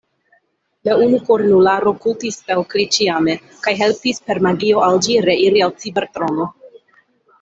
La unukornularo kultis Stelkri ĉiame, kaj helpis per magio al ĝi reiri al Cibertrono.